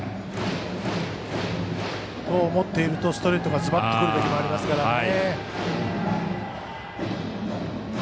そう思っているとストレートがくる場合ありますから。